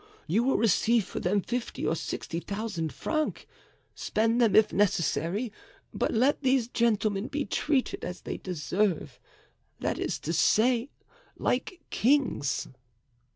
You will receive for them fifty or sixty thousand francs; spend them if necessary, but let these gentlemen be treated as they deserve, that is to say, like kings."